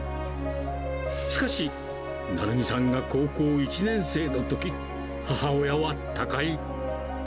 しかし、成美さんが高校１年生のとき、母親は他界。